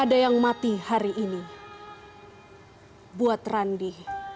ada yang mati hari ini buat randi